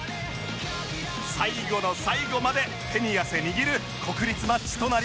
最後の最後まで手に汗握る国立マッチとなりました